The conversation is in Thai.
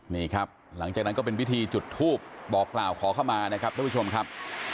นี่ครับหลังจากนั้นก็เป็นพิธีจุดทูปบอกกล่าวขอเข้ามานะครับท่านผู้ชมครับ